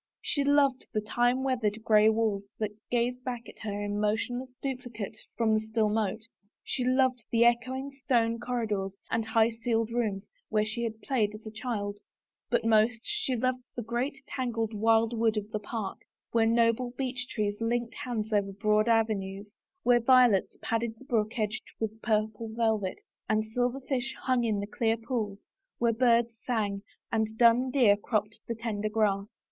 She loved the time weathered gray walls that gazed back at her in motionless duplicate from the still moat, she loved the echoing stone corridors and high ceiled rooms where she had played as a child, but most she loved the great tangled wildwood of park, where noble beech trees linked hands over broad avenues, where violets padded the brook edge with purple velvet, and silver fish hung in the clear pools, where birds sang and dun deer cropped the tender grass.